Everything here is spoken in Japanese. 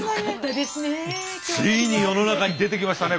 ついに世の中に出てきましたね